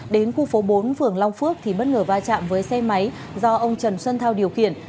đến khu phố bốn phường long phước thì bất ngờ va chạm với xe máy do ông trần xuân thao điều khiển